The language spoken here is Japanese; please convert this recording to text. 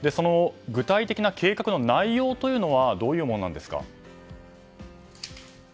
具体的な計画の内容というのはどういうものなんですか？